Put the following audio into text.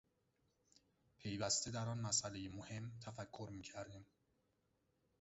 پیوسته در آن مسئلهٔ مهم تفکر میکردیم.